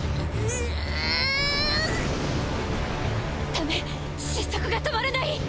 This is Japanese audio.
ダメ失速が止まらない！